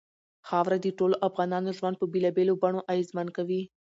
خاوره د ټولو افغانانو ژوند په بېلابېلو بڼو اغېزمن کوي.